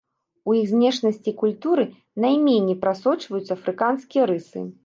У іх знешнасці і культуры найменей прасочваюцца афрыканскія рысы.